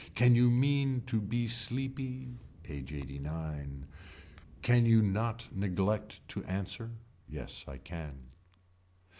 Can you mean to be sleepy. PAGE LXXXIX. Can you not neglect to answer. Yes I can.